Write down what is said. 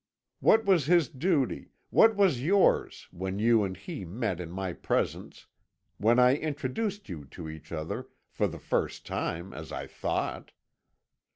What was his duty, what was yours, when you and he met in my presence, when I introduced you to each other, for the first time as I thought?